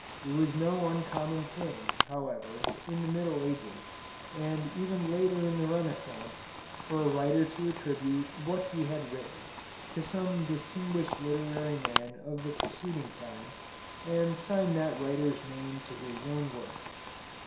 It was no uncommon thing, however, in the Middle Ages, and even later in the Renaissance, for a writer to attribute what he had written to some distinguished literary man of the preceding time, and sign that writer's name to his own work.